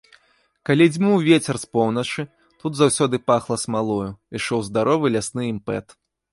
Калі дзьмуў вецер з поўначы, тут заўсёды пахла смалою, ішоў здаровы лясны імпэт.